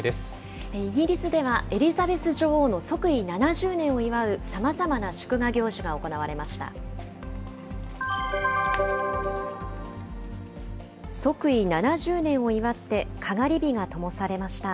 イギリスでは、エリザベス女王の即位７０年を祝うさまざまな祝賀行事が行われました。